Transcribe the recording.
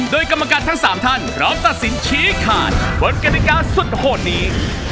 โดยกรรมการทั้ง๓ท่านพร้อมตัดสินชี้ขาดบนกฎิกาสุดโหดนี้